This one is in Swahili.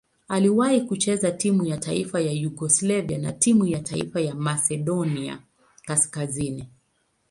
Aliwahi kucheza timu ya taifa ya Yugoslavia na timu ya taifa ya Masedonia Kaskazini.